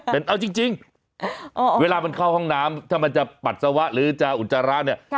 เอาจริงเวลามันเข้าห้องน้ำถ้ามันจะปัสสาวะหรือจะอุจจาระเนี่ย